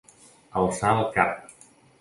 Alçar el cap.